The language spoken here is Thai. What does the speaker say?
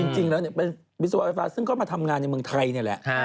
จริงแล้วเป็นวิศวไฟฟ้าซึ่งก็มาทำงานในเมืองไทยนี่แหละ